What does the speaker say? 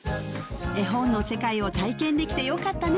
絵本の世界を体験できてよかったね